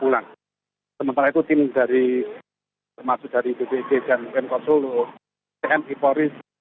dan memperlaiku tim dari termasuk dari dpp dan mnk solo cni polis